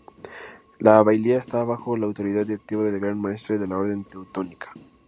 La bailía estaba bajo la autoridad directa del Gran maestre de la Orden Teutónica.